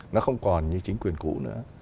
nó không còn như chính quyền cũ nữa